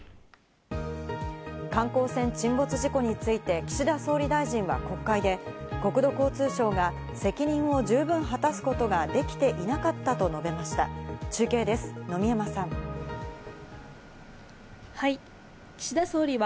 観光船沈没事故について岸田総理大臣は国会で国土交通省が責任を十分果たすことができていなかったと述べましはい。